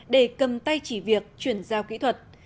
để cầm tay chỉ việc chuyển giao kỹ thuật